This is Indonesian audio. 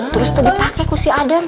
terus tuh ditake ke si aden